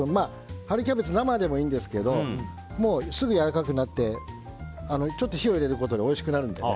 春キャベツ生でもいいんですけどすぐにやわらかくなって火を入れることでおいしくなるのでね